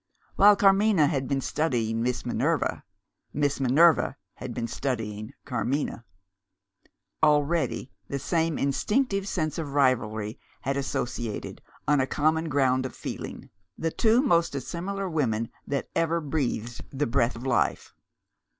While Carmina had been studying Miss Minerva, Miss Minerva had been studying Carmina. Already, the same instinctive sense of rivalry had associated, on a common ground of feeling, the two most dissimilar women that ever breathed the breath of life.